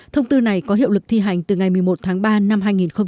thông tư này có hiệu lực thi hành từ ngày một mươi một tháng ba năm hai nghìn hai mươi